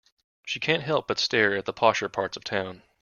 She can't help but to stare at the posher parts of town.